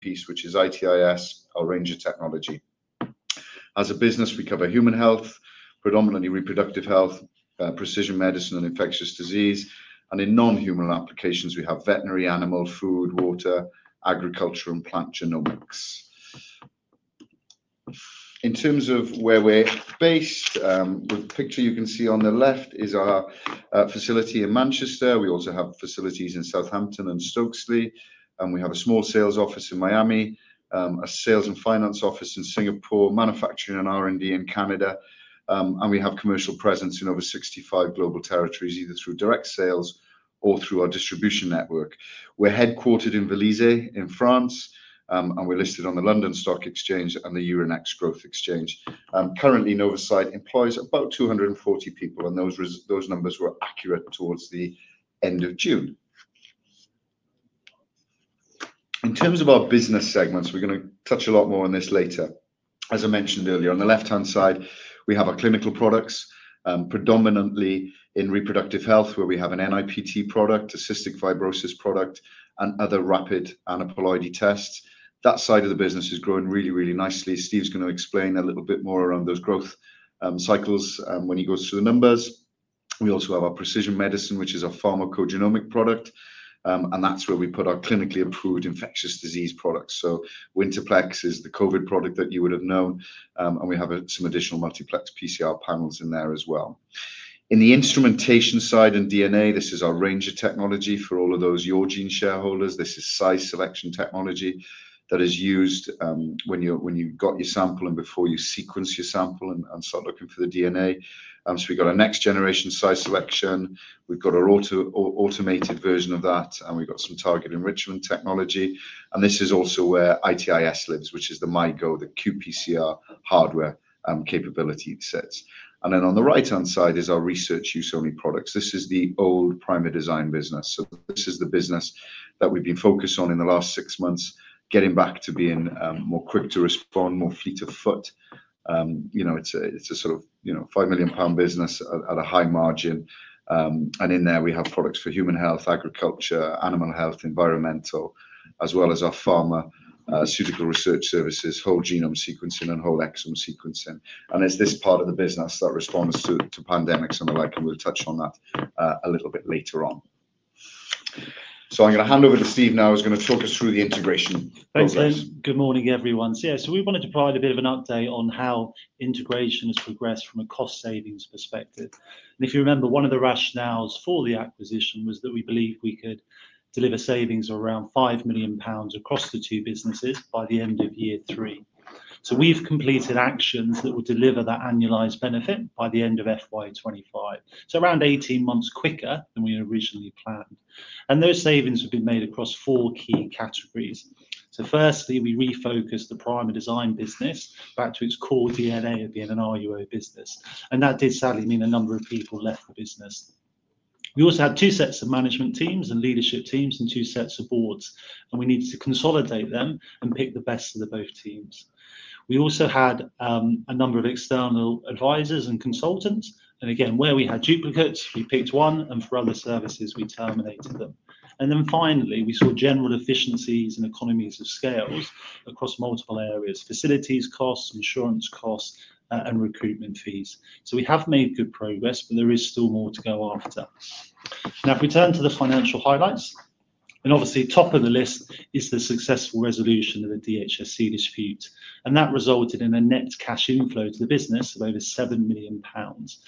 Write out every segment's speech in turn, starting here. piece, which is IT-IS, our range of technology. As a business, we cover human health, predominantly reproductive health, precision medicine, and infectious disease, and in non-human applications, we have veterinary, animal, food, water, agriculture, and plant genomics. In terms of where we're based, the picture you can see on the left is our facility in Manchester. We also have facilities in Southampton and Stokesley, and we have a small sales office in Miami, a sales and finance office in Singapore, manufacturing and R&D in Canada, and we have commercial presence in over 65 global territories, either through direct sales or through our distribution network. We're headquartered in Vélizy in France, and we're listed on the London Stock Exchange and the Euronext Growth Exchange. Currently, Novacyt employs about two hundred and forty people, and those numbers were accurate towards the end of June. In terms of our business segments, we're gonna touch a lot more on this later. As I mentioned earlier, on the left-hand side, we have our clinical products, predominantly in reproductive health, where we have an NIPT product, a cystic fibrosis product, and other rapid aneuploidy tests. That side of the business is growing really, really nicely. Steve's gonna explain a little bit more around those growth cycles when he goes through the numbers. We also have our precision medicine, which is a pharmacogenomic product, and that's where we put our clinically approved infectious disease products. So Winterplex is the COVID product that you would have known, and we have some additional multiplex PCR panels in there as well. In the instrumentation side and DNA, this is our range of technology for all of those Yourgene shareholders. This is size selection technology that is used when you've got your sample and before you sequence your sample and start looking for the DNA. So we've got our next generation size selection, we've got our automated version of that, and we've got some target enrichment technology, and this is also where IT-IS lives, which is the MyGo, the qPCR hardware capability it sets. And then on the right-hand side is our research use only products. This is the old Primerdesign business, so this is the business that we've been focused on in the last six months, getting back to being more quick to respond, more fleet of foot. You know, it's a sort of, you know, 5 million pound business at a high margin, and in there, we have products for human health, agriculture, animal health, environmental, as well as our pharmaceutical research services, whole genome sequencing, and whole exome sequencing, and it's this part of the business that responds to pandemics and the like, and we'll touch on that a little bit later on, so I'm gonna hand over to Steve now, who's gonna talk us through the integration process. Thanks, Lyn. Good morning, everyone. Yeah, we wanted to provide a bit of an update on how integration has progressed from a cost-savings perspective. If you remember, one of the rationales for the acquisition was that we believed we could deliver savings of around 5 million pounds across the two businesses by the end of year three. We've completed actions that will deliver that annualized benefit by the end of FY 2025, around 18 months quicker than we originally planned, and those savings have been made across four key categories. Firstly, we refocused the Primerdesign business back to its core DNA of being an RUO business, and that did sadly mean a number of people left the business. We also had two sets of management teams and leadership teams and two sets of boards, and we needed to consolidate them and pick the best of the both teams. We also had a number of external advisors and consultants, and again, where we had duplicates, we picked one, and for other services, we terminated them. And then finally, we saw general efficiencies and economies of scales across multiple areas: facilities costs, insurance costs, and recruitment fees. So we have made good progress, but there is still more to go after. Now, if we turn to the financial highlights, and obviously, top of the list is the successful resolution of the DHSC dispute, and that resulted in a net cash inflow to the business of over 7 million pounds.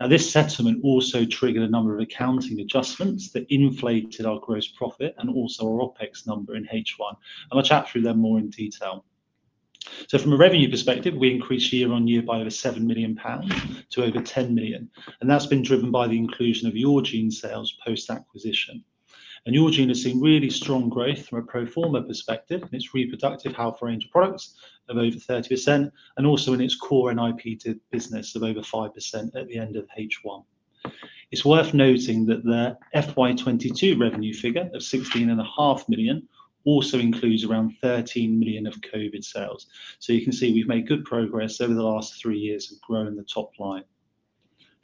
Now, this settlement also triggered a number of accounting adjustments that inflated our gross profit and also our OpEx number in H1, and I'll chat through them more in detail. So from a revenue perspective, we increased year on year by over 7 million pounds to over 10 million, and that's been driven by the inclusion of Yourgene sales post-acquisition. And Yourgene has seen really strong growth from a pro forma perspective in its reproductive health range of products of over 30%, and also in its core NIPT business of over 5% at the end of H1. It's worth noting that the FY 2022 revenue figure of 16.5 million also includes around 13 million of COVID sales. So you can see we've made good progress over the last three years of growing the top line.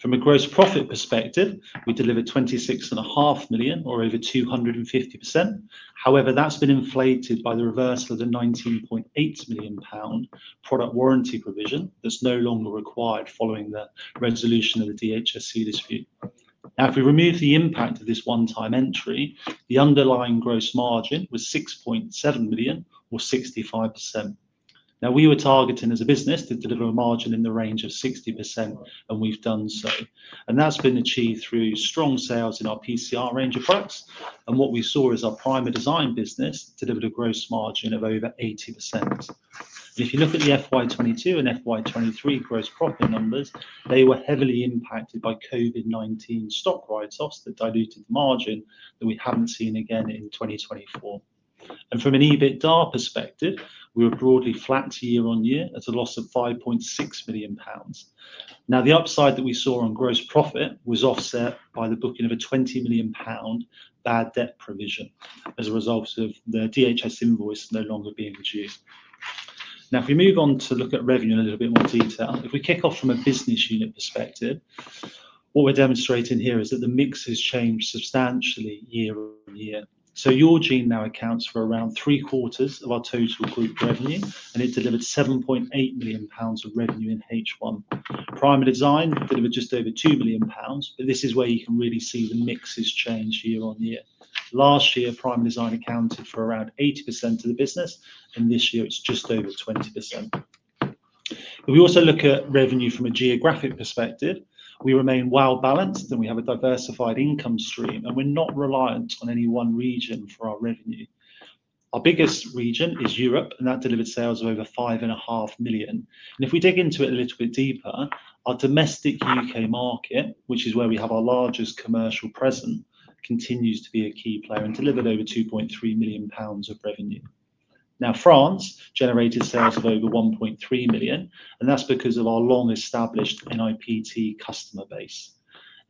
From a gross profit perspective, we delivered 26.5 million or over 250%. However, that's been inflated by the reversal of the 19.8 million pound product warranty provision that's no longer required following the resolution of the DHSC dispute. Now, if we remove the impact of this one-time entry, the underlying gross margin was 6.7 million, or 65%. Now, we were targeting as a business to deliver a margin in the range of 60%, and we've done so, and that's been achieved through strong sales in our PCR range of products, and what we saw is our Primerdesign business delivered a gross margin of over 80%. If you look at the FY 2022 and FY 2023 gross profit numbers, they were heavily impacted by COVID-19 stock write-offs that diluted the margin that we haven't seen again in 2024. From an EBITDA perspective, we were broadly flat year on year at a loss of 5.6 million pounds. Now, the upside that we saw on gross profit was offset by the booking of a 20 million pound bad debt provision as a result of the DHSC invoice no longer being produced. Now, if we move on to look at revenue in a little bit more detail, if we kick off from a business unit perspective, what we're demonstrating here is that the mix has changed substantially year on year. So Yourgene now accounts for around three quarters of our total group revenue, and it delivered 7.8 million pounds of revenue in H1. Primerdesign delivered just over 2 million pounds, but this is where you can really see the mix has changed year on year. Last year, Primerdesign accounted for around 80% of the business, and this year it's just over 20%. If we also look at revenue from a geographic perspective, we remain well-balanced, and we have a diversified income stream, and we're not reliant on any one region for our revenue. Our biggest region is Europe, and that delivered sales of over 5.5 million. If we dig into it a little bit deeper, our domestic U.K. market, which is where we have our largest commercial presence, continues to be a key player and delivered over 2.3 million pounds of revenue. Now, France generated sales of over 1.3 million, and that's because of our long-established NIPT customer base.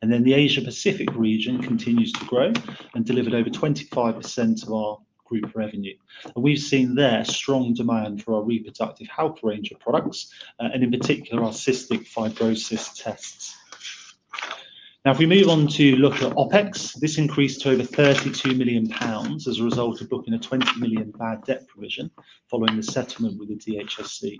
And then the Asia Pacific region continues to grow and delivered over 25% of our group revenue. We've seen there strong demand for our reproductive health range of products, and in particular, our Cystic Fibrosis tests. Now, if we move on to look at OpEx, this increased to over 32 million pounds as a result of booking a 20 million bad debt provision following the settlement with the DHSC.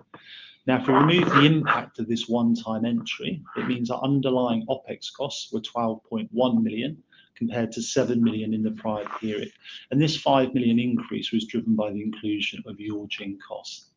Now, if we remove the impact of this one-time entry, it means our underlying OpEx costs were 12.1 million, compared to 7 million in the prior period, and this 5 million increase was driven by the inclusion of the Yourgene cost.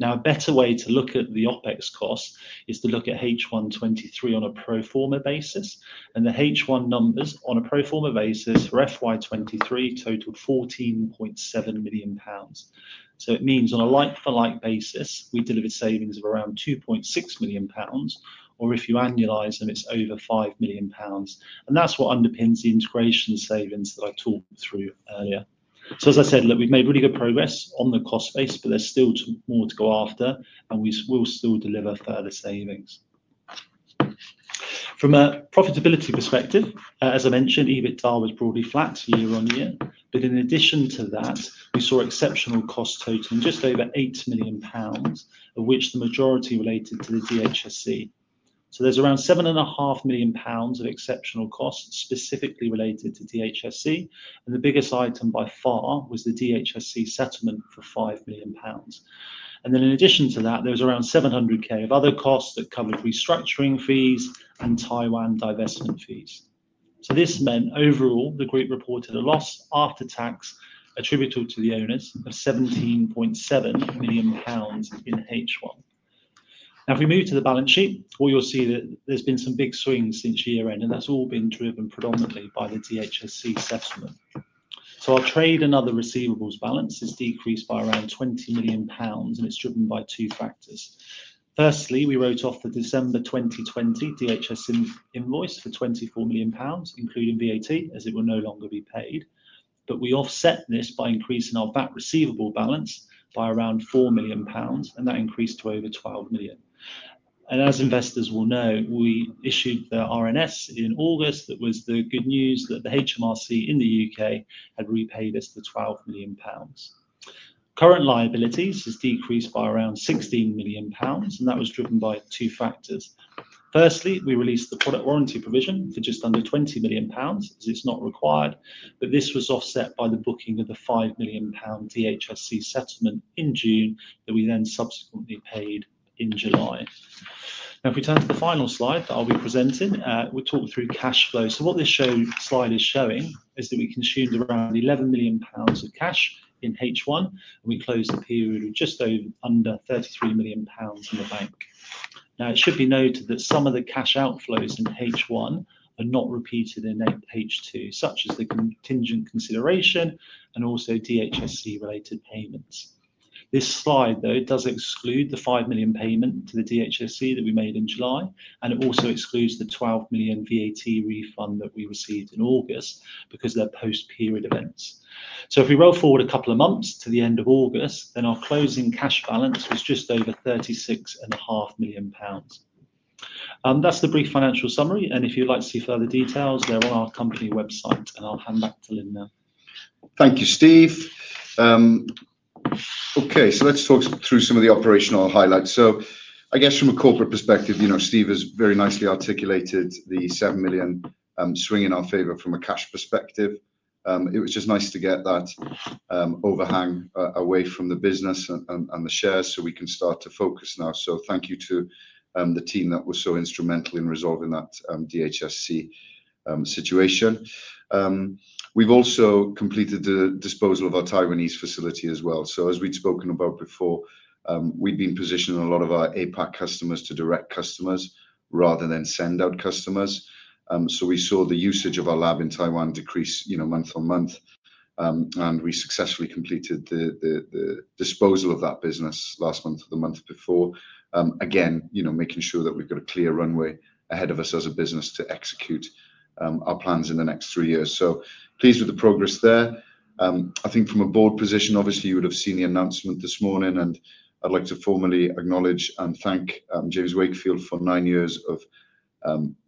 Now, a better way to look at the OpEx cost is to look at H1 2023 on a pro forma basis, and the H1 numbers on a pro forma basis for FY 2023 totaled 14.7 million pounds. So it means on a like-for-like basis, we delivered savings of around 2.6 million pounds, or if you annualize them, it's over 5 million pounds, and that's what underpins the integration savings that I talked through earlier. So as I said, look, we've made really good progress on the cost base, but there's still more to go after, and we will still deliver further savings. From a profitability perspective, as I mentioned, EBITDA was broadly flat year on year, but in addition to that, we saw exceptional cost totaling just over 8 million pounds, of which the majority related to the DHSC. There's around 7.5 million pounds of exceptional costs, specifically related to DHSC, and the biggest item by far was the DHSC settlement for 5 million pounds. Then in addition to that, there was around 700,000 of other costs that covered restructuring fees and Taiwan divestment fees. This meant, overall, the group reported a loss after tax attributable to the owners of 17.7 million pounds in H1. Now, if we move to the balance sheet, you'll see that there's been some big swings since year-end, and that's all been driven predominantly by the DHSC settlement. Our trade and other receivables balance has decreased by around 20 million pounds, and it's driven by two factors. Firstly, we wrote off the December 2020 DHSC invoice for 24 million pounds, including VAT, as it will no longer be paid. But we offset this by increasing our VAT receivable balance by around 4 million pounds, and that increased to over 12 million. As investors will know, we issued the RNS in August. That was the good news that the HMRC in the U.K. had repaid us the 12 million pounds. Current liabilities has decreased by around 16 million pounds, and that was driven by two factors. Firstly, we released the product warranty provision for just under 20 million pounds, as it's not required, but this was offset by the booking of the 5 million pound DHSC settlement in June, that we then subsequently paid in July. Now, if we turn to the final slide that I'll be presenting, we talk through cash flow. What this slide is showing is that we consumed around 11 million pounds of cash in H1, and we closed the period with just under 33 million pounds in the bank. Now, it should be noted that some of the cash outflows in H1 are not repeated in H2, such as the contingent consideration and also DHSC-related payments. This slide, though, it does exclude the 5 million payment to the DHSC that we made in July, and it also excludes the 12 million VAT refund that we received in August because they're post-period events. So if we roll forward a couple of months to the end of August, then our closing cash balance was just over 36.5 million pounds. That's the brief financial summary, and if you'd like to see further details, they're on our company website, and I'll hand back to Lyn now. Thank you, Steve. Okay, so let's talk through some of the operational highlights. So I guess from a corporate perspective, you know, Steve has very nicely articulated the 7 million swing in our favor from a cash perspective. It was just nice to get that overhang away from the business and the shares, so we can start to focus now. So thank you to the team that was so instrumental in resolving that DHSC situation. We've also completed the disposal of our Taiwanese facility as well. So as we'd spoken about before, we've been positioning a lot of our APAC customers to direct customers rather than send out customers. So we saw the usage of our lab in Taiwan decrease, you know, month on month. We successfully completed the disposal of that business last month or the month before. Again, you know, making sure that we've got a clear runway ahead of us as a business to execute our plans in the next three years. Pleased with the progress there. I think from a board position, obviously, you would have seen the announcement this morning, and I'd like to formally acknowledge and thank James Wakefield for nine years of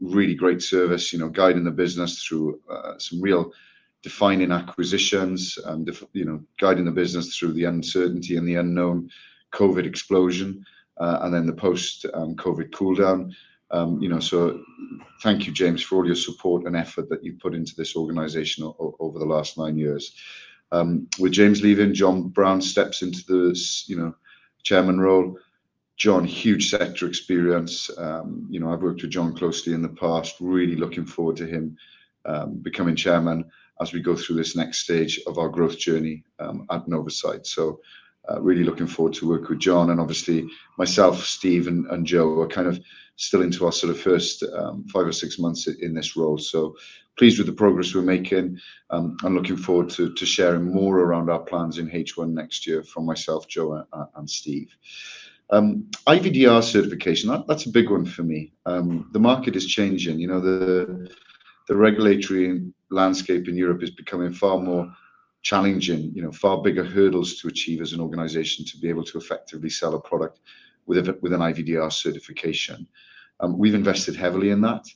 really great service, you know, guiding the business through some real defining acquisitions, you know, guiding the business through the uncertainty and the unknown COVID explosion, and then the post-COVID cool down. You know, so thank you, James, for all your support and effort that you've put into this organization over the last nine years. With James leaving, John Brown steps into this, you know, chairman role. John, huge sector experience. You know, I've worked with John closely in the past. Really looking forward to him becoming chairman as we go through this next stage of our growth journey at Novacyt. So, really looking forward to work with John and obviously myself, Steve, and Jo are kind of still into our sort of first five or six months in this role. So pleased with the progress we're making. I'm looking forward to sharing more around our plans in H1 next year from myself, Jo, and Steve. IVDR certification, that's a big one for me. The market is changing. You know, the regulatory landscape in Europe is becoming far more challenging, you know, far bigger hurdles to achieve as an organization to be able to effectively sell a product with a, with an IVDR certification. We've invested heavily in that.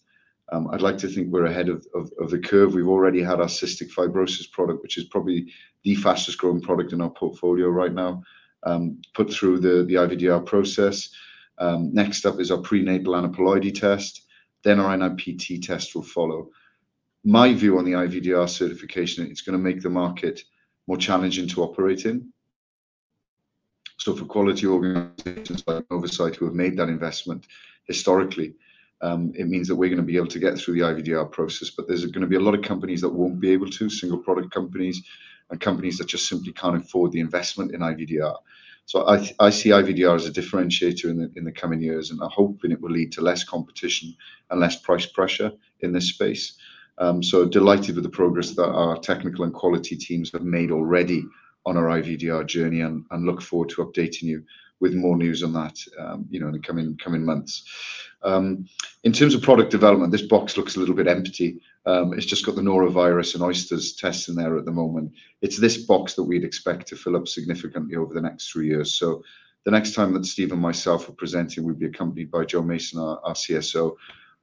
I'd like to think we're ahead of the curve. We've already had our cystic fibrosis product, which is probably the fastest-growing product in our portfolio right now, put through the IVDR process. Next up is our prenatal aneuploidy test, then our NIPT test will follow. My view on the IVDR certification, it's gonna make the market more challenging to operate in. For quality organizations like Novacyt, who have made that investment historically, it means that we're gonna be able to get through the IVDR process, but there's gonna be a lot of companies that won't be able to, single product companies and companies that just simply can't afford the investment in IVDR. I see IVDR as a differentiator in the coming years, and I'm hoping it will lead to less competition and less price pressure in this space. Delighted with the progress that our technical and quality teams have made already on our IVDR journey and look forward to updating you with more news on that, you know, in the coming months. In terms of product development, this box looks a little bit empty. It's just got the norovirus and oysters tests in there at the moment. It's this box that we'd expect to fill up significantly over the next three years. So the next time that Steve and myself are presenting, we'll be accompanied by Jo Mason, our CSO,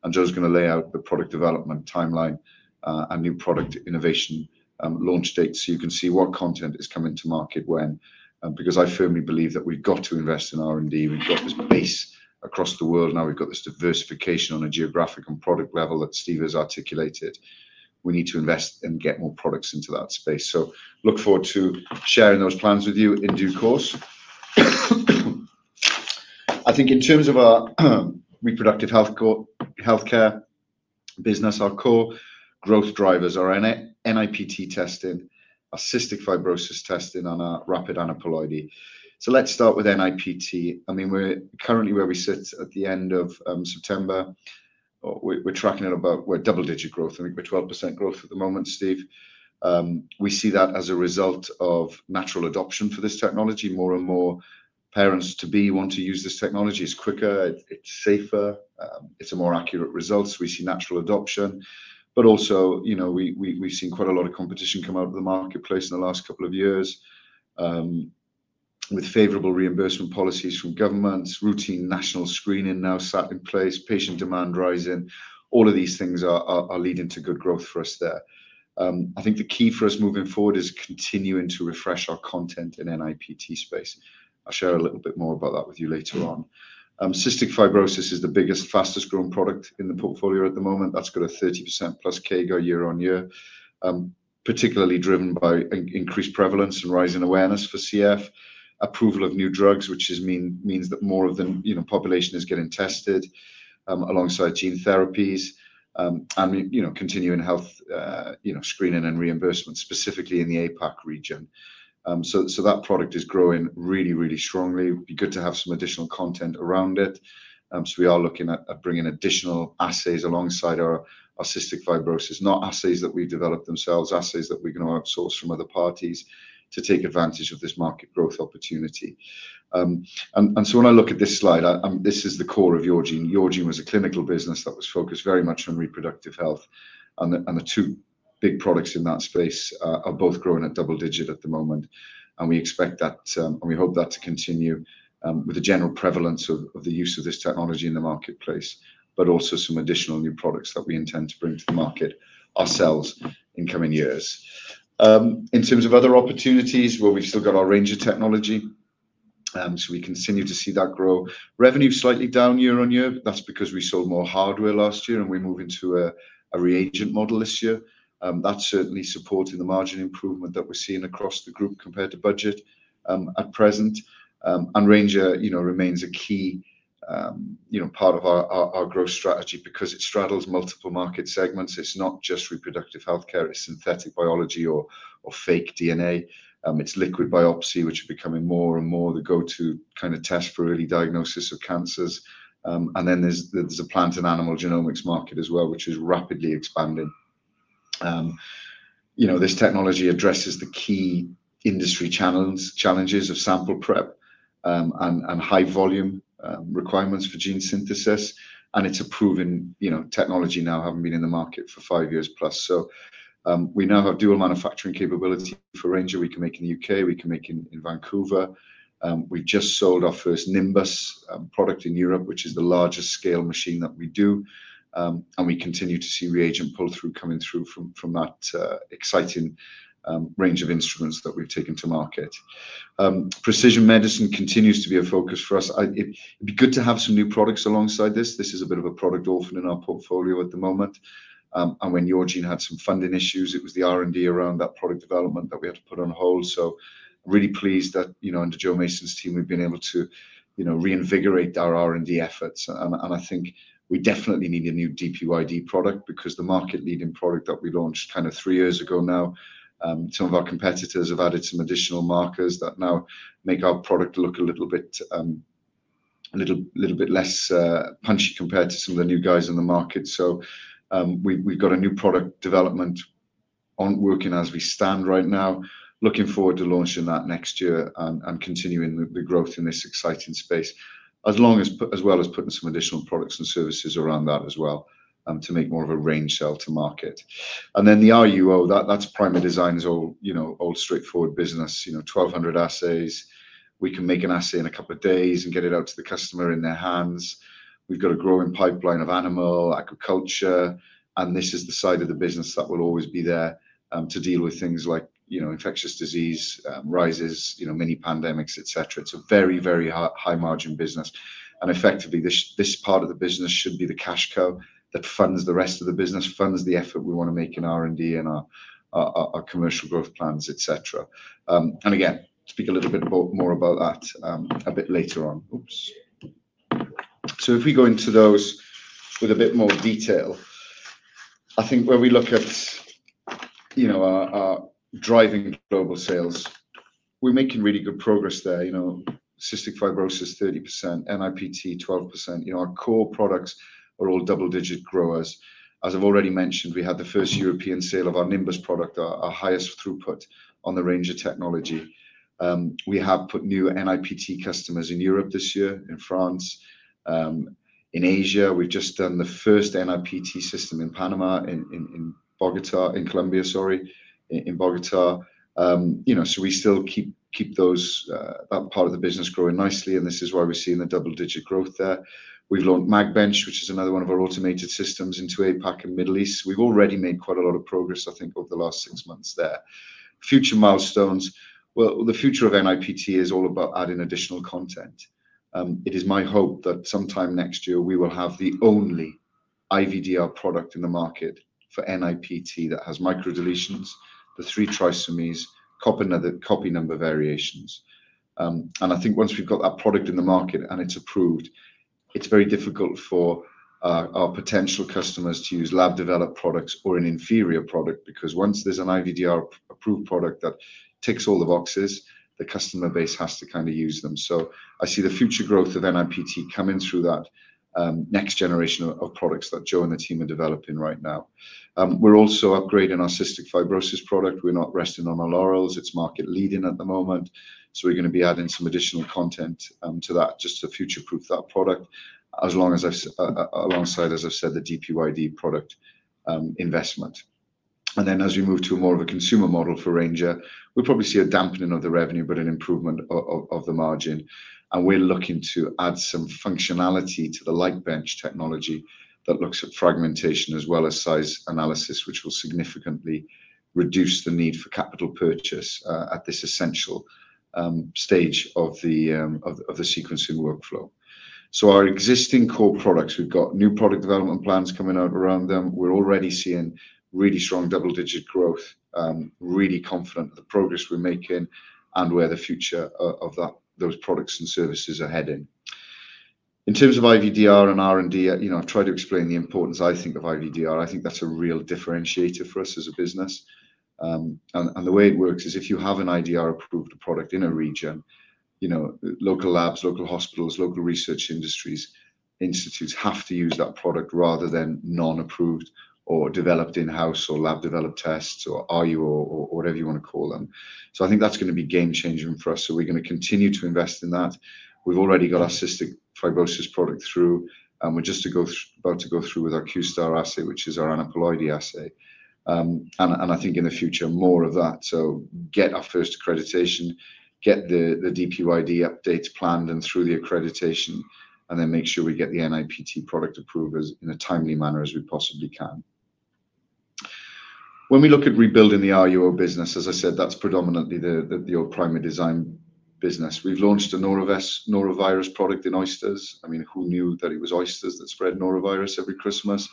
and Jo's gonna lay out the product development timeline, and new product innovation, launch dates, so you can see what content is coming to market when. Because I firmly believe that we've got to invest in R&D. We've got this base across the world, now we've got this diversification on a geographic and product level that Steve has articulated. We need to invest and get more products into that space. So look forward to sharing those plans with you in due course. I think in terms of our reproductive healthcare business, our core growth drivers are NIPT testing, our Cystic Fibrosis testing, and our rapid aneuploidy. So let's start with NIPT. I mean, we're currently, where we sit at the end of September, we're tracking at about... We're double-digit growth. I think we're 12% growth at the moment, Steve. We see that as a result of natural adoption for this technology. More and more parents-to-be want to use this technology. It's quicker, it's safer, it's a more accurate results. We see natural adoption, but also, you know, we've seen quite a lot of competition come out of the marketplace in the last couple of years, with favorable reimbursement policies from governments, routine national screening now sat in place, patient demand rising. All of these things are leading to good growth for us there. I think the key for us moving forward is continuing to refresh our content in NIPT space. I'll share a little bit more about that with you later on. Cystic Fibrosis is the biggest, fastest-growing product in the portfolio at the moment. That's got a 30% plus CAGR year-on-year, particularly driven by increased prevalence and rising awareness for CF, approval of new drugs, which means that more of the, you know, population is getting tested, alongside gene therapies, and, you know, continuing health, you know, screening and reimbursement, specifically in the APAC region. So that product is growing really, really strongly. It'd be good to have some additional content around it. So we are looking at bringing additional assays alongside our cystic fibrosis. Not assays that we develop themselves, assays that we can outsource from other parties to take advantage of this market growth opportunity. When I look at this slide, this is the core of Yourgene. Yourgene was a clinical business that was focused very much on reproductive health, and the two big products in that space are both growing at double digit at the moment, and we expect that and we hope that to continue with the general prevalence of the use of this technology in the marketplace, but also some additional new products that we intend to bring to the market ourselves in coming years. In terms of other opportunities, well, we've still got our Ranger Technology, so we continue to see that grow. Revenue slightly down year-on-year. That's because we sold more hardware last year, and we're moving to a reagent model this year. That's certainly supporting the margin improvement that we're seeing across the group compared to budget at present. And Ranger, you know, remains a key, you know, part of our growth strategy because it straddles multiple market segments. It's not just reproductive healthcare, it's synthetic biology or fake DNA. It's liquid biopsy, which is becoming more and more the go-to kind of test for early diagnosis of cancers. And then there's a plant and animal genomics market as well, which is rapidly expanding. You know, this technology addresses the key industry channels challenges of sample prep and high volume requirements for gene synthesis, and it's a proven, you know, technology now, having been in the market for five years plus. We now have dual manufacturing capability for Ranger. We can make in the UK, we can make in Vancouver. We just sold our first Nimbus product in Europe, which is the largest scale machine that we do. And we continue to see reagent pull-through coming through from that exciting range of instruments that we've taken to market. Precision medicine continues to be a focus for us. It'd be good to have some new products alongside this. This is a bit of a product orphan in our portfolio at the moment. And when Yourgene had some funding issues, it was the R&D around that product development that we had to put on hold. So really pleased that, you know, under Jo Mason's team, we've been able to, you know, reinvigorate our R&D efforts. I think we definitely need a new DPYD product because the market-leading product that we launched kind of three years ago now, some of our competitors have added some additional markers that now make our product look a little bit, a little bit less punchy compared to some of the new guys in the market. So, we've got a new product development ongoing as we stand right now. Looking forward to launching that next year and continuing the growth in this exciting space, as well as putting some additional products and services around that as well, to make more of a range to sell to market. Then the RUO, that's Primerdesign is all, you know, old straightforward business, you know, 1,200 assays. We can make an assay in a couple of days and get it out to the customer in their hands. We've got a growing pipeline of animal, agriculture, and this is the side of the business that will always be there to deal with things like, you know, infectious disease rises, you know, mini pandemics, et cetera. It's a very high margin business, and effectively, this part of the business should be the cash cow that funds the rest of the business, funds the effort we wanna make in R&D and our commercial growth plans, et cetera. And again, speak a little bit more about that a bit later on. Oops. So if we go into those with a bit more detail, I think where we look at, you know, our driving global sales, we're making really good progress there. You know, Cystic Fibrosis, 30%, NIPT, 12%. You know, our core products are all double-digit growers. As I've already mentioned, we had the first European sale of our Nimbus product, our highest throughput on the Ranger technology. We have put new NIPT customers in Europe this year, in France. In Asia, we've just done the first NIPT system in Panama, in Bogotá in Colombia, sorry, in Bogotá. You know, so we still keep those that part of the business growing nicely, and this is why we're seeing the double-digit growth there. We've launched MagBench, which is another one of our automated systems into APAC and Middle East. We've already made quite a lot of progress, I think, over the last six months there. Future milestones. Well, the future of NIPT is all about adding additional content. It is my hope that sometime next year, we will have the only IVDR product in the market for NIPT that has microdeletions, the three trisomies, copy number variations, and I think once we've got that product in the market and it's approved, it's very difficult for our potential customers to use lab-developed products or an inferior product, because once there's an IVDR-approved product that ticks all the boxes, the customer base has to kinda use them. So I see the future growth of NIPT coming through that, next generation of products that Jo and the team are developing right now. We're also upgrading our cystic fibrosis product. We're not resting on our laurels. It's market-leading at the moment, so we're gonna be adding some additional content to that, just to future-proof that product, alongside, as I've said, the DPYD product investment. And then as we move to more of a consumer model for Ranger, we'll probably see a dampening of the revenue, but an improvement of the margin. And we're looking to add some functionality to the LightBench technology that looks at fragmentation as well as size analysis, which will significantly reduce the need for capital purchase at this essential stage of the sequencing workflow. Our existing core products, we've got new product development plans coming out around them. We're already seeing really strong double-digit growth, really confident of the progress we're making and where the future of those products and services are heading. In terms of IVDR and R&D, you know, I've tried to explain the importance I think of IVDR. I think that's a real differentiator for us as a business. And the way it works is if you have an IVDR-approved product in a region, you know, local labs, local hospitals, local research industries, institutes have to use that product rather than non-approved or developed in-house or lab-developed tests, or RUO or whatever you wanna call them. So I think that's gonna be game-changing for us, so we're gonna continue to invest in that. We've already got our cystic fibrosis product through, and we're about to go through with our QST*R assay, which is our aneuploidy assay. I think in the future, more of that. So get our first accreditation, get the DPYD updates planned and through the accreditation, and then make sure we get the NIPT product approved in as timely a manner as we possibly can. When we look at rebuilding the RUO business, as I said, that's predominantly the old Primerdesign business. We've launched a norovirus product in oysters. I mean, who knew that it was oysters that spread norovirus every Christmas?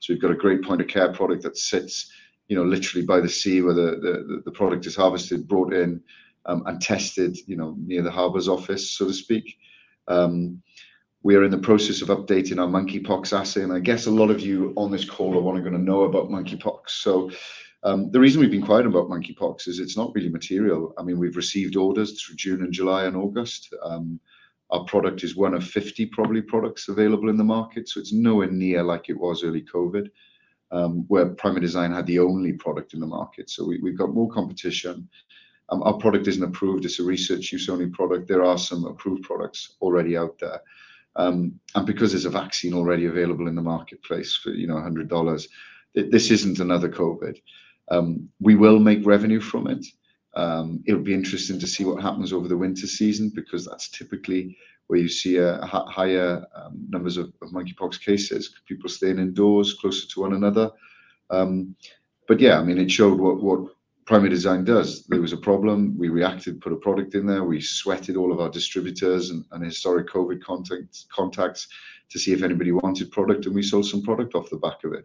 So we've got a great point-of-care product that sits, you know, literally by the sea, where the product is harvested, brought in, and tested, you know, near the harbor's office, so to speak. We are in the process of updating our monkeypox assay, and I guess a lot of you on this call are only gonna know about monkeypox. The reason we've been quiet about monkeypox is it's not really material. I mean, we've received orders through June and July and August. Our product is one of 50 probably products available in the market, so it's nowhere near like it was early COVID, where Primerdesign had the only product in the market. We've got more competition. Our product isn't approved. It's a research use only product. There are some approved products already out there. And because there's a vaccine already available in the marketplace for, you know, $100, this isn't another COVID. We will make revenue from it. It'll be interesting to see what happens over the winter season, because that's typically where you see a higher numbers of monkeypox cases, people staying indoors closer to one another. But yeah, I mean, it showed what Primerdesign does. There was a problem. We reacted, put a product in there, we sweated all of our distributors and historic COVID contacts to see if anybody wanted product, and we sold some product off the back of it.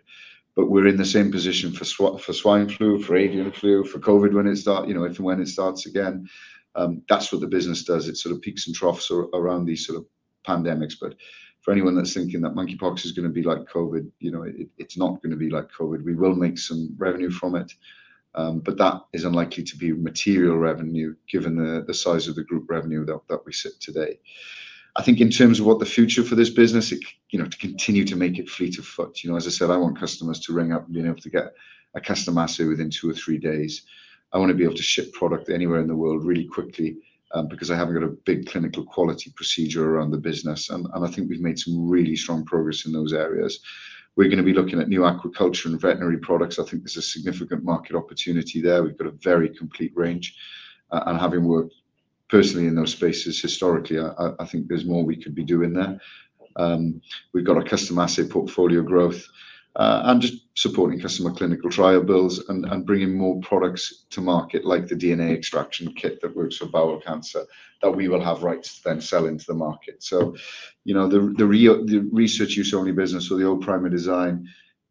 But we're in the same position for swine flu, for avian flu, for COVID, when it start, you know, if and when it starts again. That's what the business does. It sort of peaks and troughs around these sort of pandemics. But for anyone that's thinking that monkeypox is gonna be like COVID, you know, it, it's not gonna be like COVID. We will make some revenue from it, but that is unlikely to be material revenue, given the size of the group revenue that we sit today. I think in terms of what the future for this business, you know, to continue to make it fleet of foot. You know, as I said, I want customers to ring up and being able to get a custom assay within two or three days. I wanna be able to ship product anywhere in the world really quickly, because I haven't got a big clinical quality procedure around the business, and I think we've made some really strong progress in those areas. We're gonna be looking at new aquaculture and veterinary products. I think there's a significant market opportunity there. We've got a very complete range, and having worked personally in those spaces historically, I think there's more we could be doing there. We've got our custom assay portfolio growth, and just supporting customer clinical trial bills and bringing more products to market, like the DNA extraction kit that works for bowel cancer, that we will have rights to then sell into the market. So, you know, the research use only business or the old Primerdesign,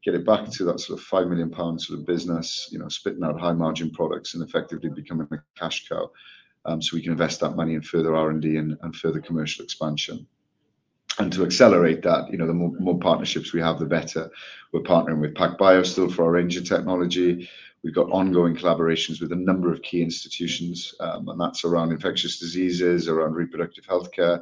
get it back to that sort of 5 million pounds sort of business, you know, spitting out high-margin products and effectively becoming a cash cow, so we can invest that money in further R&D and further commercial expansion. To accelerate that, you know, the more partnerships we have, the better. We're partnering with PacBio still for our Ranger Technology. We've got ongoing collaborations with a number of key institutions, and that's around infectious diseases, around reproductive healthcare,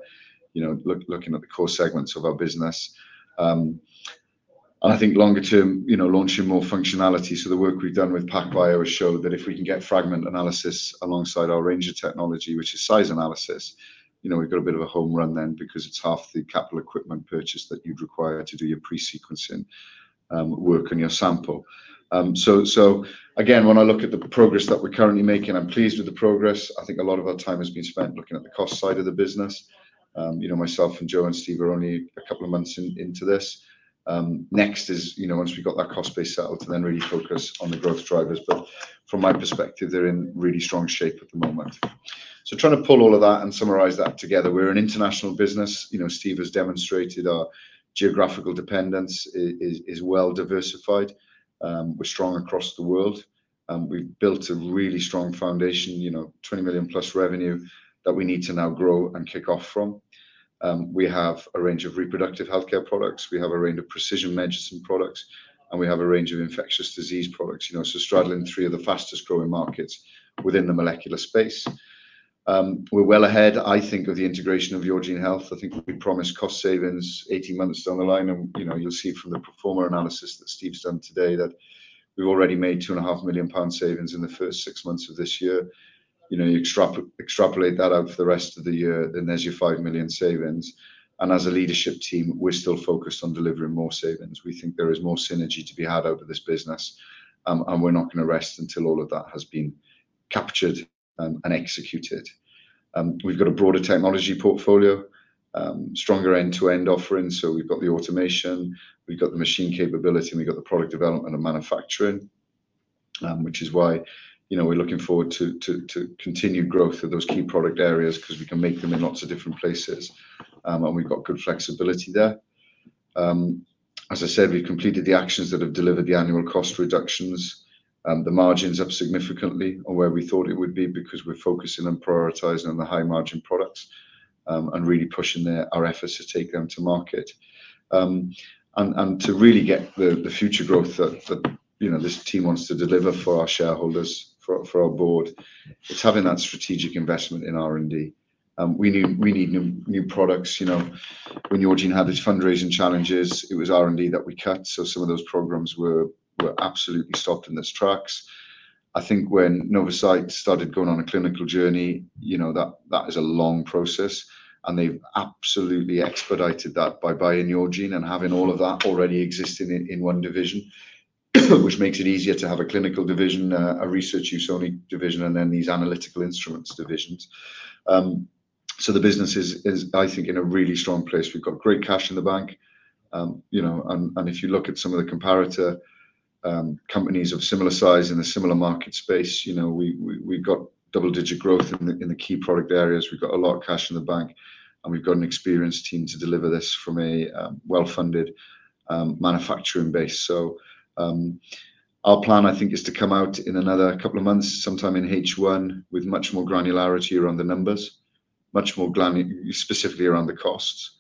you know, looking at the core segments of our business. I think longer term, you know, launching more functionality. So the work we've done with PacBio has showed that if we can get fragment analysis alongside our Ranger Technology, which is size analysis, you know, we've got a bit of a home run then because it's half the capital equipment purchase that you'd require to do your pre-sequencing work on your sample. So again, when I look at the progress that we're currently making, I'm pleased with the progress. I think a lot of our time has been spent looking at the cost side of the business. You know, myself and Jo and Steve are only a couple of months into this. Next is, you know, once we've got that cost base settled, and then really focus on the growth drivers. But from my perspective, they're in really strong shape at the moment. So trying to pull all of that and summarize that together, we're an international business. You know, Steve has demonstrated our geographical dependence is well diversified. We're strong across the world, and we've built a really strong foundation, you know, 20 million plus revenue, that we need to now grow and kick off from. We have a range of reproductive healthcare products, we have a range of precision medicine products, and we have a range of infectious disease products, you know, so straddling three of the fastest growing markets within the molecular space. We're well ahead, I think, of the integration of Yourgene Health. I think we promised cost savings 18 months down the line, and, you know, you'll see from the pro forma analysis that Steve's done today, that we've already made 2.5 million pound savings in the first 6 months of this year. You know, you extrapolate that out for the rest of the year, then there's your 5 million savings. And as a leadership team, we're still focused on delivering more savings. We think there is more synergy to be had out of this business, and we're not gonna rest until all of that has been captured, and executed. We've got a broader technology portfolio, stronger end-to-end offering. So we've got the automation, we've got the machine capability, and we've got the product development and manufacturing, which is why, you know, we're looking forward to continued growth of those key product areas because we can make them in lots of different places, and we've got good flexibility there. As I said, we've completed the actions that have delivered the annual cost reductions. The margin's up significantly on where we thought it would be because we're focusing and prioritizing on the high-margin products, and really pushing our efforts to take them to market. And to really get the future growth that, you know, this team wants to deliver for our shareholders, for our board, it's having that strategic investment in R&D. We need new products. You know, when Yourgene had its fundraising challenges, it was R&D that we cut, so some of those programs were absolutely stopped in its tracks. I think when Novacyt started going on a clinical journey, you know, that is a long process, and they've absolutely expedited that by buying Yourgene and having all of that already existing in one division, which makes it easier to have a clinical division, a research use only division, and then these analytical instruments divisions. So the business is, I think, in a really strong place. We've got great cash in the bank. You know, and if you look at some of the comparator companies of similar size in a similar market space, you know, we've got double-digit growth in the key product areas. We've got a lot of cash in the bank, and we've got an experienced team to deliver this from a well-funded manufacturing base. Our plan, I think, is to come out in another couple of months, sometime in H1, with much more granularity around the numbers. Specifically around the costs,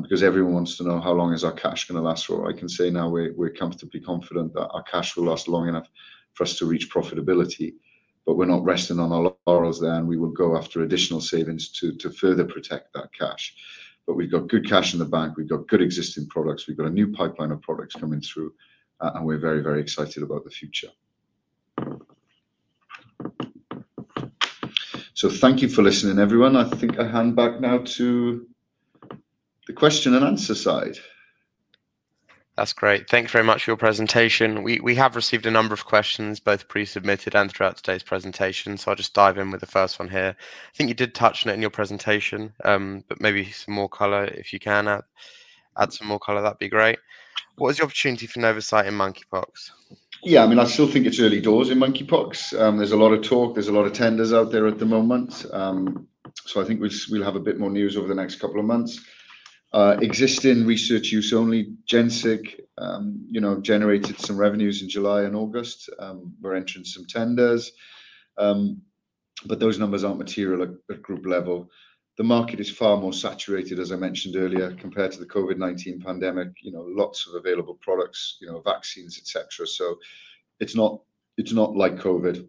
because everyone wants to know how long is our cash gonna last for. I can say now we're comfortably confident that our cash will last long enough for us to reach profitability, but we're not resting on our laurels there, and we will go after additional savings to further protect that cash. But we've got good cash in the bank, we've got good existing products, we've got a new pipeline of products coming through, and we're very, very excited about the future, so thank you for listening, everyone. I think I hand back now to the question and answer side. That's great. Thank you very much for your presentation. We have received a number of questions, both pre-submitted and throughout today's presentation, so I'll just dive in with the first one here. I think you did touch on it in your presentation, but maybe some more color. If you can add some more color, that'd be great. What is the opportunity for Novacyt in monkeypox? Yeah, I mean, I still think it's early doors in monkeypox. There's a lot of talk, there's a lot of tenders out there at the moment. So I think we, we'll have a bit more news over the next couple of months. Existing research use only genesig, you know, generated some revenues in July and August. We're entering some tenders, but those numbers aren't material at group level. The market is far more saturated, as I mentioned earlier, compared to the COVID-19 pandemic. You know, lots of available products, you know, vaccines, et cetera, so it's not, it's not like COVID.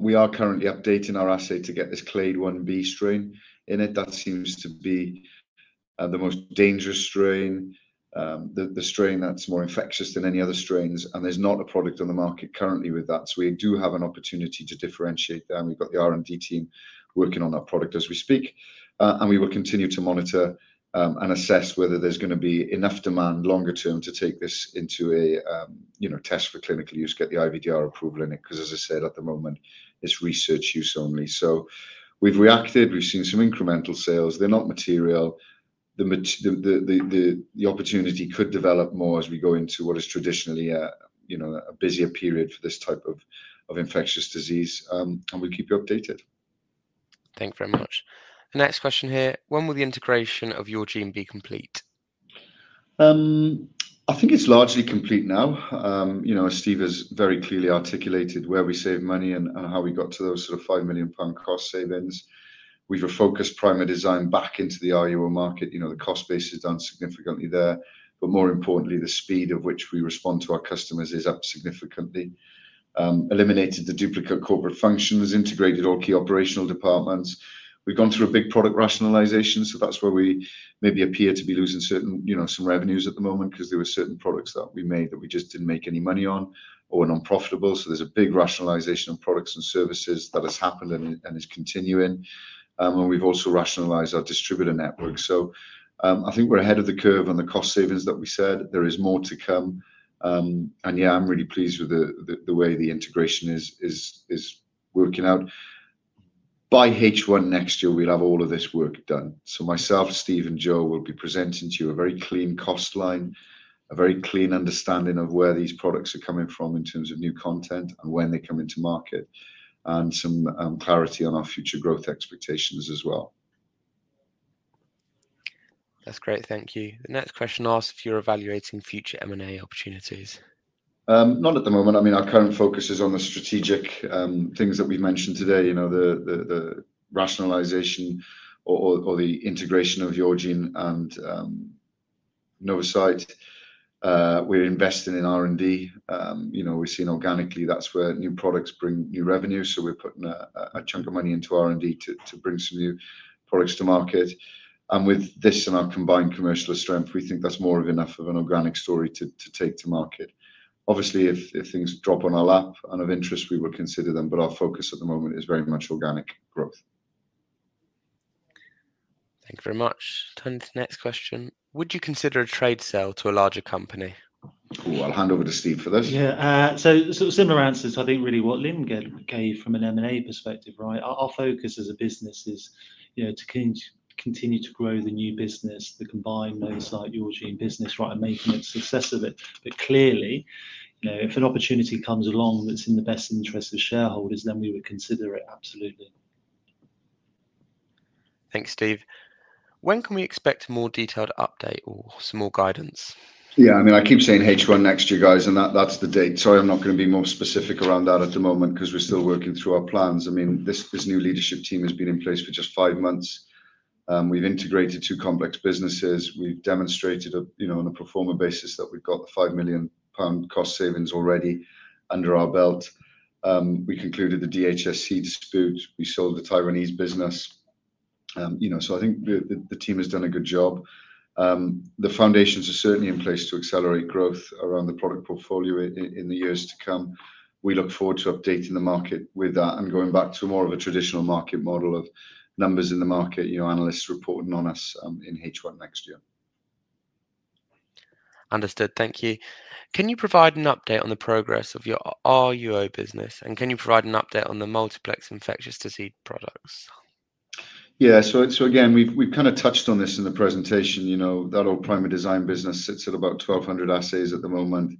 We are currently updating our assay to get this Clade Ib strain in it. That seems to be the most dangerous strain, the strain that's more infectious than any other strains, and there's not a product on the market currently with that. So we do have an opportunity to differentiate there, and we've got the R&D team working on that product as we speak. And we will continue to monitor and assess whether there's gonna be enough demand longer term to take this into a you know, test for clinical use, get the IVDR approval in it, because as I said, at the moment, it's research use only. So we've reacted, we've seen some incremental sales. They're not material. The opportunity could develop more as we go into what is traditionally a you know, a busier period for this type of infectious disease. And we'll keep you updated. Thank you very much. The next question here: When will the integration of Yourgene be complete? I think it's largely complete now. You know, as Steve has very clearly articulated, where we save money and how we got to those sort of 5 million pound cost savings. We've refocused Primerdesign back into the RUO market. You know, the cost base has done significantly there, but more importantly, the speed of which we respond to our customers is up significantly. We eliminated the duplicate corporate functions, integrated all key operational departments. We've gone through a big product rationalization, so that's where we maybe appear to be losing certain, you know, some revenues at the moment because there were certain products that we made that we just didn't make any money on or were non-profitable. So there's a big rationalization of products and services that has happened and is continuing. We've also rationalized our distributor network. I think we're ahead of the curve on the cost savings that we said. There is more to come. Yeah, I'm really pleased with the way the integration is working out. By H1 next year, we'll have all of this work done. Myself, Steve, and Jo will be presenting to you a very clean cost line, a very clean understanding of where these products are coming from in terms of new content and when they come into market, and some clarity on our future growth expectations as well. That's great. Thank you. The next question asks if you're evaluating future M&A opportunities. Not at the moment. I mean, our current focus is on the strategic things that we've mentioned today, you know, the rationalization or the integration of Yourgene and Novacyt. We're investing in R&D. You know, we've seen organically, that's where new products bring new revenue, so we're putting a chunk of money into R&D to bring some new products to market. And with this and our combined commercial strength, we think that's more than enough of an organic story to take to market. Obviously, if things drop on our lap and of interest, we would consider them, but our focus at the moment is very much organic growth. Thank you very much. Turning to the next question: Would you consider a trade sale to a larger company? Ooh, I'll hand over to Steve for this. Yeah, so sort of similar answer to, I think, really what Lyn gave from an M&A perspective, right? Our focus as a business is, you know, to continue to grow the new business, the combined Novacyt-Yourgene business, right, and making a success of it. But clearly, you know, if an opportunity comes along that's in the best interest of shareholders, then we would consider it, absolutely. Thanks, Steve. When can we expect a more detailed update or some more guidance? Yeah, I mean, I keep saying H1 next year, guys, and that's the date. Sorry, I'm not gonna be more specific around that at the moment, because we're still working through our plans. I mean, this new leadership team has been in place for just five months. We've integrated two complex businesses. We've demonstrated, you know, on a pro forma basis, that we've got the 5 million pound cost savings already under our belt. We concluded the DHSC dispute. We sold the Taiwanese business. You know, so I think the team has done a good job. The foundations are certainly in place to accelerate growth around the product portfolio in the years to come. We look forward to updating the market with that and going back to more of a traditional market model of numbers in the market, you know, analysts reporting on us, in H1 next year. Understood. Thank you. Can you provide an update on the progress of your RUO business, and can you provide an update on the multiplex infectious disease products? Yeah. Again, we've kind of touched on this in the presentation. You know, that old Primerdesign business sits at about twelve hundred assays at the moment.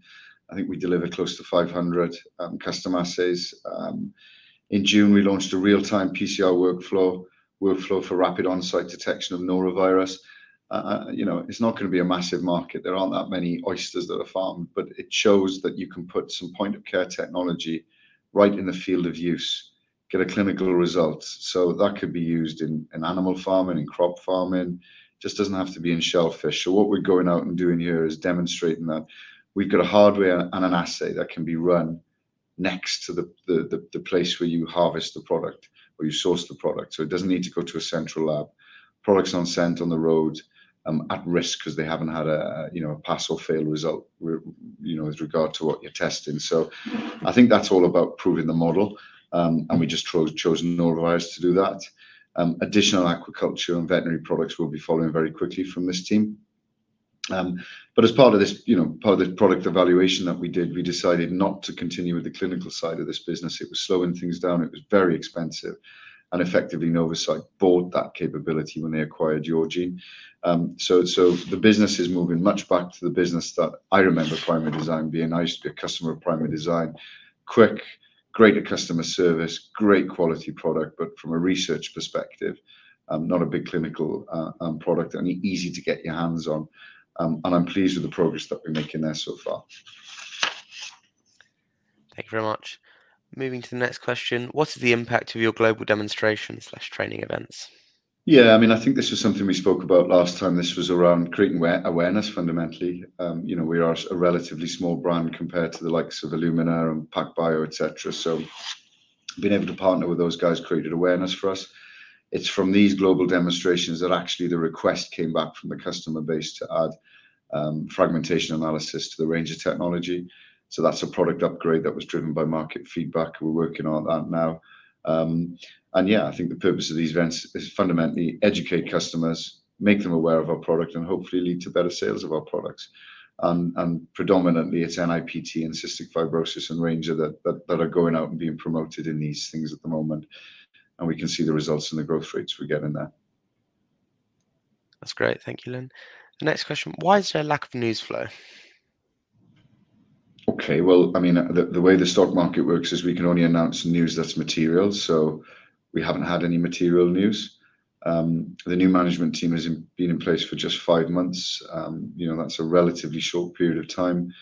I think we deliver close to five hundred custom assays. In June, we launched a real-time PCR workflow for rapid on-site detection of norovirus. You know, it's not gonna be a massive market. There aren't that many oysters that are farmed, but it shows that you can put some point-of-care technology right in the field of use, get a clinical result. That could be used in animal farming, in crop farming. Just doesn't have to be in shellfish. What we're going out and doing here is demonstrating that we've got a hardware and an assay that can be run-... Next to the place where you harvest the product or you source the product. So it doesn't need to go to a central lab. Products aren't sent on the road at risk because they haven't had a, you know, a pass or fail result, you know, with regard to what you're testing. So I think that's all about proving the model, and we just chose Norovirus to do that. Additional aquaculture and veterinary products will be following very quickly from this team. But as part of this, you know, part of this product evaluation that we did, we decided not to continue with the clinical side of this business. It was slowing things down, it was very expensive, and effectively, Novacyt bought that capability when they acquired Yourgene. So the business is moving much back to the business that I remember Primerdesign being. I used to be a customer of Primerdesign. Quick, great customer service, great quality product, but from a research perspective, not a big clinical product, and easy to get your hands on, and I'm pleased with the progress that we're making there so far. Thank you very much. Moving to the next question: What is the impact of your global demonstration/training events? Yeah, I mean, I think this is something we spoke about last time. This was around creating awareness fundamentally. You know, we are a relatively small brand compared to the likes of Illumina and PacBio, et cetera. So being able to partner with those guys created awareness for us. It's from these global demonstrations that actually the request came back from the customer base to add fragmentation analysis to the range of technology. So that's a product upgrade that was driven by market feedback. We're working on that now. And yeah, I think the purpose of these events is fundamentally educate customers, make them aware of our product, and hopefully lead to better sales of our products. And predominantly, it's NIPT and cystic fibrosis and Ranger that are going out and being promoted in these things at the moment, and we can see the results and the growth rates we're getting there. That's great. Thank you, Lyn. The next question: Why is there a lack of news flow? Okay. Well, I mean, the way the stock market works is we can only announce news that's material, so we haven't had any material news. The new management team has been in place for just five months. You know, that's a relatively short period of time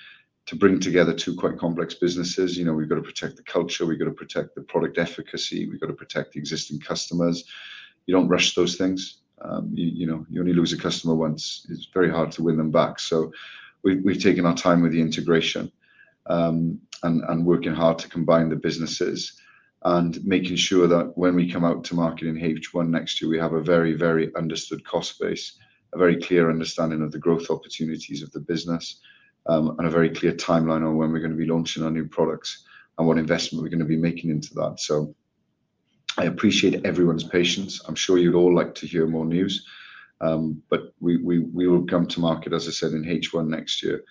to bring together two quite complex businesses. You know, we've got to protect the culture, we've got to protect the product efficacy, we've got to protect the existing customers. You don't rush those things. You know, you only lose a customer once, it's very hard to win them back. So we've taken our time with the integration, and working hard to combine the businesses, and making sure that when we come out to market in H1 next year, we have a very, very understood cost base, a very clear understanding of the growth opportunities of the business, and a very clear timeline on when we're gonna be launching our new products and what investment we're gonna be making into that. So I appreciate everyone's patience. I'm sure you'd all like to hear more news. But we will come to market, as I said, in H1 next year,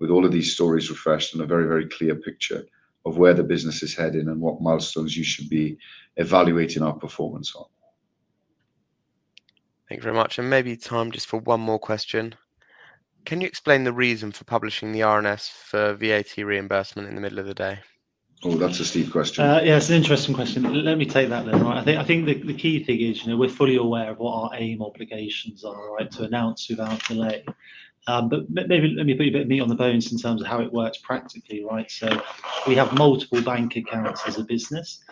with all of these stories refreshed and a very, very clear picture of where the business is heading and what milestones you should be evaluating our performance on. Thank you very much. And maybe, Tom, just for one more question. Can you explain the reason for publishing the RNS for VAT reimbursement in the middle of the day? Oh, that's a Steve question. Yeah, it's an interesting question. Let me take that then, right? I think the key thing is, you know, we're fully aware of what our AIM obligations are, right? To announce without delay. But maybe let me put a bit of meat on the bones in terms of how it works practically, right? So we have multiple bank accounts as a business.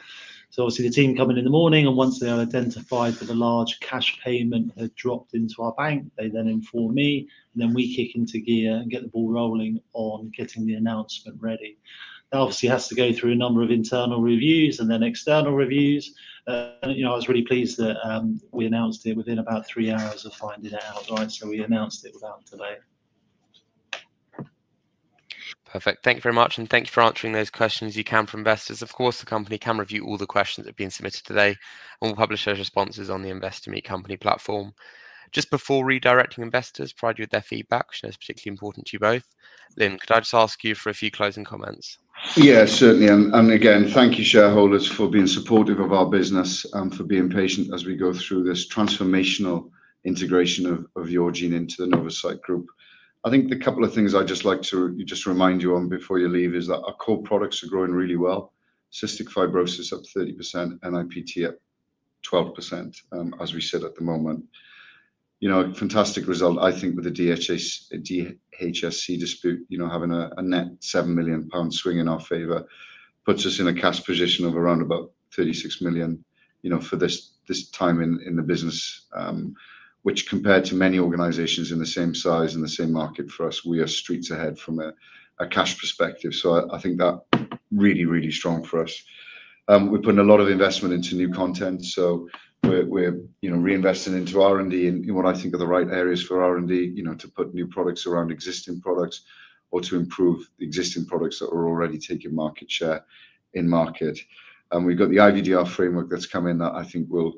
So obviously, the team come in the morning, and once they have identified that a large cash payment has dropped into our bank, they then inform me, and then we kick into gear and get the ball rolling on getting the announcement ready. That obviously has to go through a number of internal reviews and then external reviews. And, you know, I was really pleased that we announced it within about three hours of finding it out, right? We announced it without delay. Perfect. Thank you very much, and thank you for answering those questions you can from investors. Of course, the company can review all the questions that have been submitted today, and we'll publish those responses on the Investor Meet Company platform. Just before redirecting investors, provide you with their feedback, which I know is particularly important to you both. Lyn, could I just ask you for a few closing comments? Yeah, certainly. And, and again, thank you, shareholders, for being supportive of our business and for being patient as we go through this transformational integration of, of Yourgene into the Novacyt Group. I think the couple of things I'd just like to just remind you on before you leave is that our core products are growing really well. Cystic Fibrosis up 30%, NIPT up 12%, as we sit at the moment. You know, a fantastic result, I think, with the DHSC dispute, you know, having a net 7 million pound swing in our favor, puts us in a cash position of around about 36 million, you know, for this, this time in, in the business. Which compared to many organizations in the same size and the same market for us, we are streets ahead from a, a cash perspective. So I think that really, really strong for us. We're putting a lot of investment into new content, so we're you know, reinvesting into R&D in what I think are the right areas for R&D, you know, to put new products around existing products or to improve the existing products that are already taking market share in market. And we've got the IVDR framework that's coming, that I think will,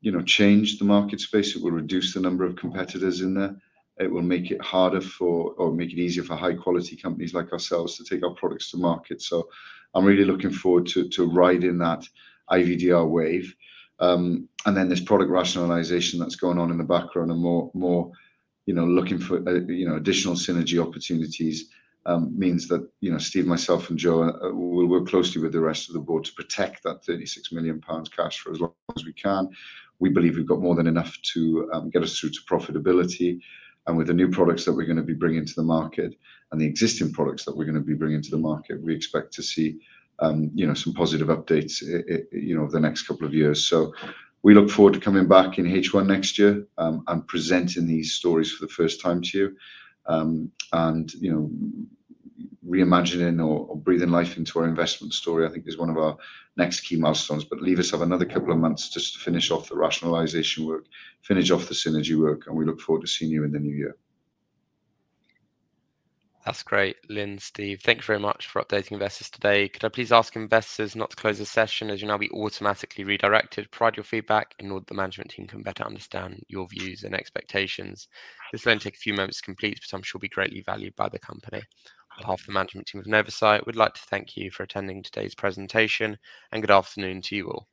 you know, change the market space. It will reduce the number of competitors in there. It will make it harder for, or make it easier for high-quality companies like ourselves to take our products to market. So I'm really looking forward to riding that IVDR wave. and then this product rationalization that's going on in the background and more, you know, looking for, you know, additional synergy opportunities, means that, you know, Steve, myself, and Jo will work closely with the rest of the board to protect that 36 million pounds cash for as long as we can. We believe we've got more than enough to get us through to profitability. And with the new products that we're gonna be bringing to the market and the existing products that we're gonna be bringing to the market, we expect to see, you know, some positive updates, you know, over the next couple of years. So we look forward to coming back in H1 next year, and presenting these stories for the first time to you. And, you know, reimagining or breathing life into our investment story, I think is one of our next key milestones. But let us have another couple of months just to finish off the rationalization work, finish off the synergy work, and we look forward to seeing you in the new year. That's great. Lyn, Steve, thank you very much for updating investors today. Could I please ask investors not to close the session, as you'll now be automatically redirected, provide your feedback, in order the management team can better understand your views and expectations. This will only take a few moments to complete, but I'm sure will be greatly valued by the company. On behalf of the management team of Novacyt, we'd like to thank you for attending today's presentation, and good afternoon to you all.